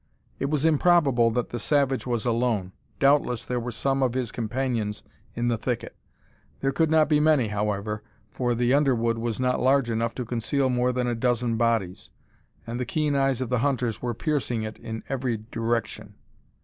It was improbable that the savage was alone; doubtless there were some of his companions in the thicket. There could not be many, however, for the underwood was not large enough to conceal more than a dozen bodies, and the keen eyes of the hunters were piercing it in every direction.